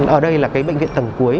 ở đây là cái bệnh viện thần cuối